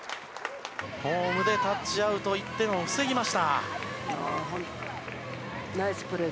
ホームでタッチアウト１点を防ぎました。